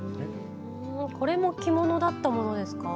これも着物だったものですか？